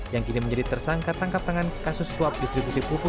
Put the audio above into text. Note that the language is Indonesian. yang kini menjadi tersangka tangkap tangan kasus swab distribusi pupuk